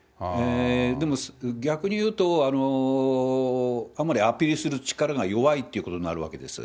でも逆にいうと、あんまりアピールする力が弱いっていうことになるんです。